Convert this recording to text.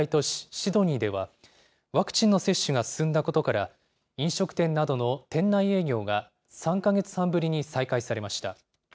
シドニーでは、ワクチンの接種が進んだことから、飲食店などの店内営業が３か月半ぶりに再開されました。